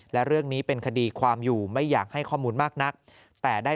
และเรื่องนี้เป็นคดีความอยู่ไม่อยากให้ข้อมูลมากนักแต่ได้